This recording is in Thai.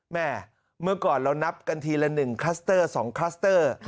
เมื่อก่อนเรานับกันทีละ๑คลัสเตอร์๒คลัสเตอร์